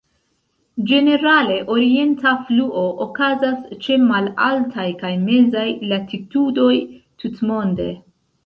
Ĝenerale, orienta fluo okazas ĉe malaltaj kaj mezaj latitudoj tutmonde.